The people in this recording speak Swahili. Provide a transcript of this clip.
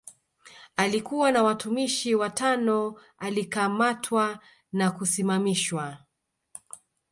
Alikuwa na watumishi watano alikamatwa na kusimamishwa